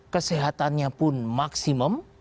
kesehatannya pun maksimum